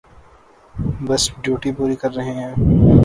بس ڈیوٹی پوری کر رہے ہیں۔